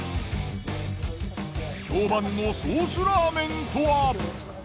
評判のソースラーメンとは！？